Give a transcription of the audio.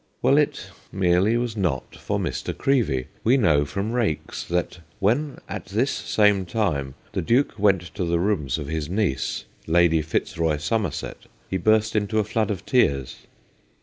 Well, it merely was not for Mr. Creevey. We know from Raikes that when, at this same time, the Duke went to the rooms of his niece, Lady FitzRoy Somerset, he burst into a flood of tears.